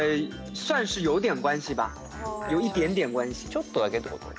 ちょっとだけってこと？